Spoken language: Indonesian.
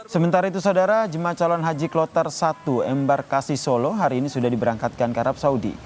sementara itu saudara jemaah calon haji kloter satu embarkasi solo hari ini sudah diberangkatkan ke arab saudi